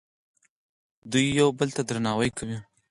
دوی یو بل ته درناوی کوي.